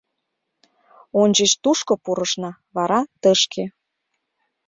Ончыч тушко пурышна, вара — тышке...